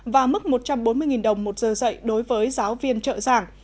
và mức một trăm bốn mươi đồng một giờ dạy đối với giáo viên trợ giảng